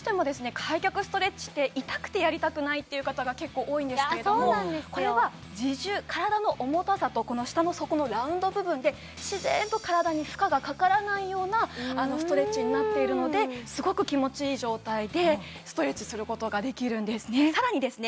開脚ストレッチって痛くてやりたくないって方が結構多いんですけれどもこれは自重体の重たさとこの下の底のラウンド部分で自然と体に負荷がかからないようなストレッチになっているのですごく気持ちいい状態でストレッチすることができるんですねさらにですね